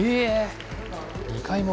２階も。